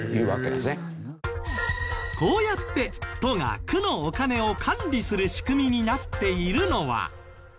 こうやって都が区のお金を管理する仕組みになっているのは。